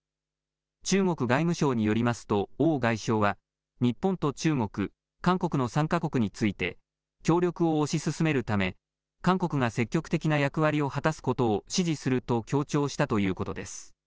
中国外務省によりますと王外相は日本と中国、韓国の３か国について協力を推し進めるため韓国が積極的な役割を果たすことを支持すると強調したということです。